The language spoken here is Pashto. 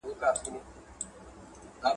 مسلکي زده کړې لپاره ضروري دي.